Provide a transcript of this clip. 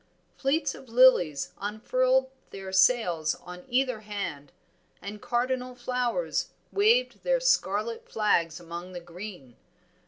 Fleets of lilies unfurled their sails on either hand, and cardinal flowers waved their scarlet flags among the green.